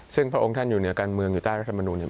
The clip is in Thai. ซึ่งพระองค์ท่านอยู่เหนือการเมืองอยู่ใต้รัฐมนุนเนี่ย